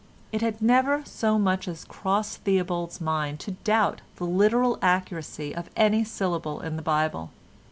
It had never so much as crossed Theobald's mind to doubt the literal accuracy of any syllable in the Bible.